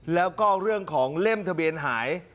แล้วก็เรื่องของเล่มทะเบียนหาย